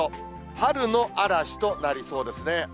春の嵐となりそうですね。